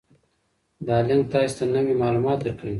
دا لینک تاسي ته نوي معلومات درکوي.